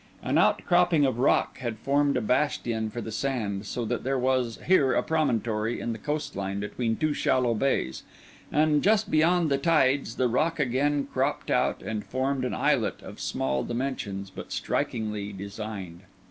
An outcropping of rock had formed a bastion for the sand, so that there was here a promontory in the coast line between two shallow bays; and just beyond the tides, the rock again cropped out and formed an islet of small dimensions but strikingly designed.